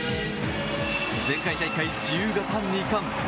前回大会、自由形２冠。